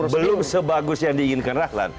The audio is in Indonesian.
belum sebagus yang diinginkan rahlan